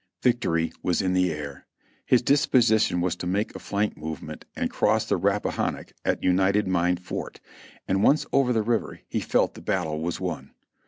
Victory was in the air. His disposition was to make a flank movement and cross the Rappahannock at United Mine Ford, and once over the river he felt the battle was won.